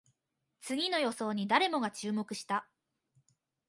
次の予想に誰もが注目した